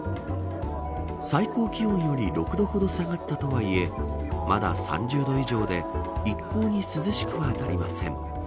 最高気温より６度ほど下がったとはいえまだ３０度以上で一向に涼しくはなりません。